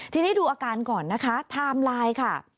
ทีนี้ดูอาการก่อนนะคะไทม์ไลน์ค่ะ